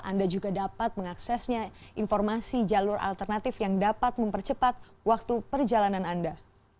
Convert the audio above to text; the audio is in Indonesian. anda juga dapat mengaksesnya informasi jalur alternatif yang dapat mempercepat waktu perjalanan anda